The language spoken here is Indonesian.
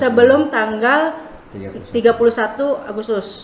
sebelum tanggal tiga puluh satu agustus